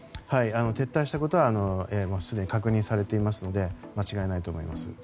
はい、撤退したことはすでに確認されていますので間違いないと思います。